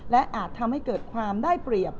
และอาจทำให้เกิดความได้เปรียบ